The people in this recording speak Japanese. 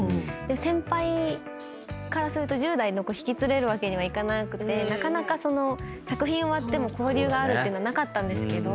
先輩からすると１０代の子引き連れるわけにはいかなくてなかなか作品終わっても交流があるっていうのはなかったんですけど。